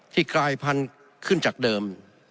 กลายพันธุ์ขึ้นจากเดิม